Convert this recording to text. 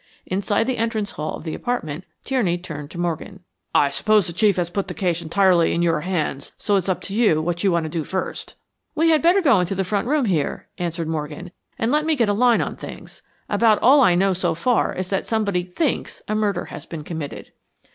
Inside the entrance hall of the apartment, Tierney turned to Morgan. "I suppose the Chief has put the case entirely in your hands, so it's up to you what you want to do first." "We had better go into the front room here," answered Morgan, "and let me get a line on things. About all I know so far is that somebody THINKS a murder has been committed."